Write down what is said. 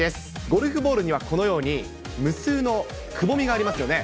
ゴルフボールにはこのように、無数のくぼみがありますよね。